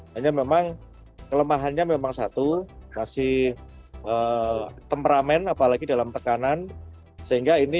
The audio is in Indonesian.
hanya memang kelemahannya memang satu kasih temperamen apalagi dalam tekanan sehingga ini